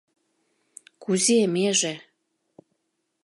— Кузе меже?